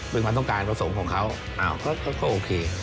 เป็นความต้องการผสมของเขาก็โอเค